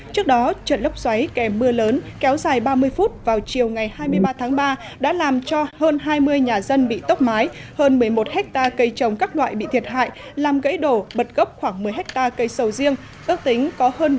trước đó trận lốc xoáy kèm mưa lớn kéo dài ba mươi phút vào chiều ngày hai mươi ba tháng ba đã làm cho hơn hai mươi nhà dân bị tốc mái hơn một mươi một hectare cây trồng các loại bị thiệt hại làm gãy đổ bật gốc khoảng một mươi hectare cây sầu riêng ước tính có hơn